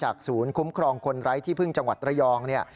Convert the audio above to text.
ศูนย์คุ้มครองคนไร้ที่พึ่งจังหวัดระยองเนี่ย